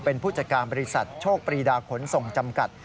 เป็นผู้จัดการบริษัทโชคปรีดาขนส่งจำกัด